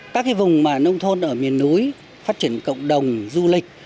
các cái vùng mà nông thôn ở miền núi phát triển cộng đồng du lịch